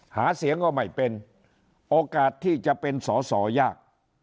หาเสียงก็ไม่เป็นโอกาสที่จะเป็นสอสอยาก